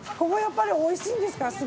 ここやっぱりおいしいんですか？